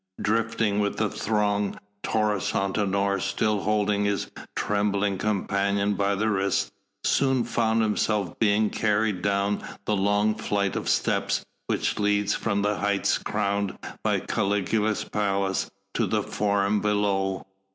Drifting with the throng, Taurus Antinor, still holding his trembling companion by the wrist, soon found himself being carried down the long flight of steps which leads from the heights crowned by Caligula's palace to the Forum below.